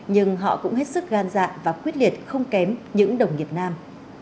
nhưng họ cũng hết sức gan dạ và quyết liệt không kém những đồng nghiệp nam